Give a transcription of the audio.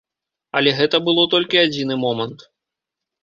Але гэта было толькі адзіны момант.